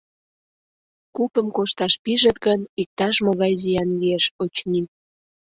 Купым кошташ пижыт гын, иктаж-могай зиян лиеш, очыни.